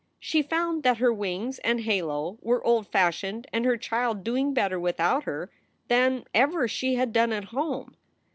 She found that her wings and halo were old fashioned and her child doing better without her than ever she had done at home.